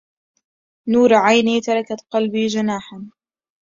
نور عيني تركت قلبي جناحا